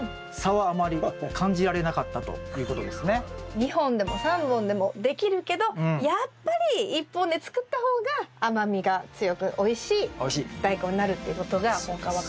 ちなみに２本でも３本でもできるけどやっぱり１本で作った方が甘みが強くおいしいダイコンになるっていうことが今回分かりましたね。